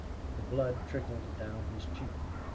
The blood trickled down his cheek.